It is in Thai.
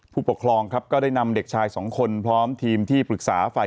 ผู้ปกครองครับก็ได้นำเด็กชายสองคนพร้อมทีมที่ปรึกษาฝ่าย